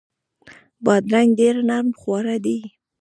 بادرنګ ډیر نرم خواړه دي.